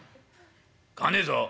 買わねえぞ」。